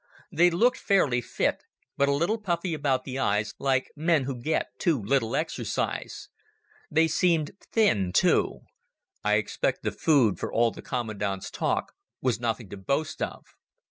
They looked fairly fit, but a little puffy about the eyes, like men who get too little exercise. They seemed thin, too. I expect the food, for all the commandant's talk, was nothing to boast of.